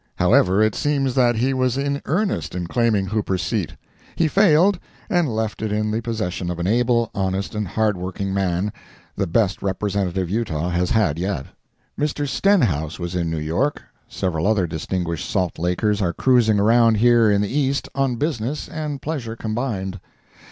However, it seems that he was in earnest in claiming Hooper's seat. He failed, and left it in the possession of an able, honest and hard working man—the best representative Utah has had yet. Mr. Stenhouse was in New York. Several other distinguished Salt Lakers are cruising around here in the East, on business and pleasure combined.